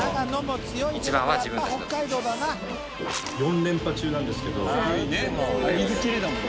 ４連覇中なんですけど。